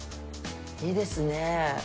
いいですねえ。